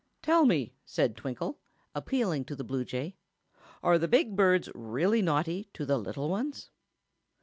"Tell me," said Twinkle, appealing to the bluejay; "are the big birds really naughty to the little ones?"